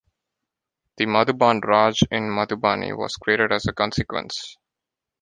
The Madhuban Raj in Madhubani was created as a consequence.